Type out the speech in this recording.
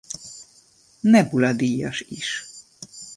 Nebula-díjas is